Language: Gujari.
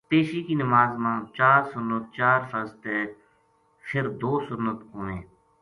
پیشی کی نماز ما چار سنت چار فرض تے فر دو سنت ہوویں۔